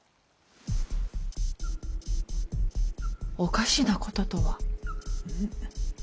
おかしなこととは？